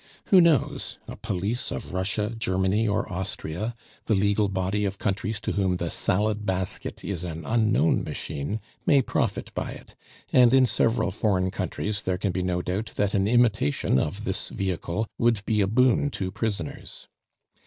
Who knows? A police of Russia, Germany, or Austria, the legal body of countries to whom the "Salad basket" is an unknown machine, may profit by it; and in several foreign countries there can be no doubt that an imitation of this vehicle would be a boon to prisoners.